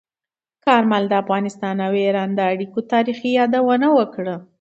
کارمل د افغانستان او ایران د اړیکو تاریخي یادونه وکړه.